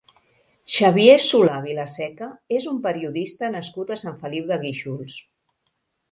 Xavier Solà Vilaseca és un periodista nascut a Sant Feliu de Guíxols.